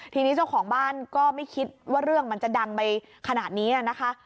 ทีนี้เจ้าของบ้านก็ไม่คิดว่าเรื่องมันจะดังไปขนาดนี้นะคะ